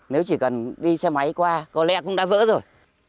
nếu chỉ cần đi xe máy qua có lẽ cũng đã vỡ rồi